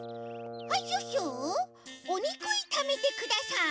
はいシュッシュおにくいためてください。